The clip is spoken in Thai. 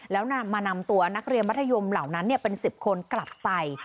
แล้วนำมานำตัวนักเรียนมัธยมเหล่านั้นเป็น๑๐คนกลับไป